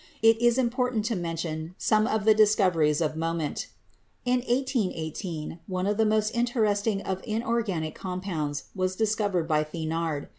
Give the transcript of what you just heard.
It is important to mention some of the discoveries of moment. In 1818, one of the most interesting of inorganic com pounds was discovered by Thenard.